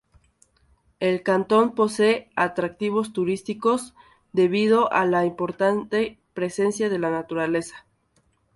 El cantón posee atractivos turísticos, debido a la importante presencia de la naturaleza.